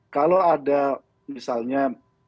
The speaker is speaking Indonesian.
kalau ada misalnya